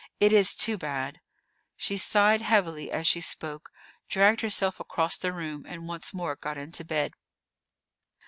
It is too bad." She sighed heavily as she spoke, dragged herself across the room, and once more got into bed.